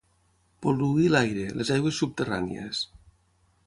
Pol·luir l'aire, les aigües subterrànies.